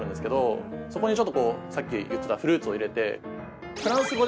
そこにちょっとこうさっき言ってたフルーツを入れて。